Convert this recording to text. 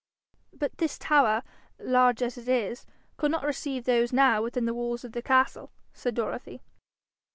'But this tower, large as it is, could not receive those now within the walls of the castle,' said Dorothy.